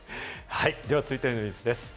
続いてのニュースです。